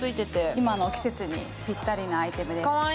今の季節にぴったりなアイテムです。